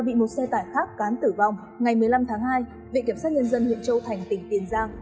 bị một xe tải khác cán tử vong ngày một mươi năm tháng hai viện kiểm sát nhân dân huyện châu thành tỉnh tiền giang